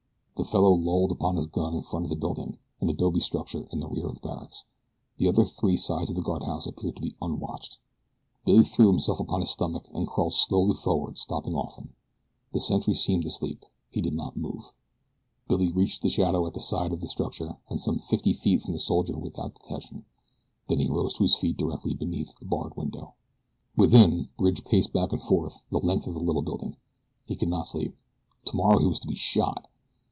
The fellow lolled upon his gun in front of the building an adobe structure in the rear of the barracks. The other three sides of the guardhouse appeared to be unwatched. Billy threw himself upon his stomach and crawled slowly forward stopping often. The sentry seemed asleep. He did not move. Billy reached the shadow at the side of the structure and some fifty feet from the soldier without detection. Then he rose to his feet directly beneath a barred window. Within Bridge paced back and forth the length of the little building. He could not sleep. Tomorrow he was to be shot!